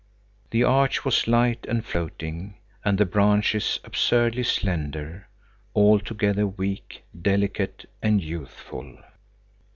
The arch was light and floating, and the branches absurdly slender, altogether weak, delicate and youthful.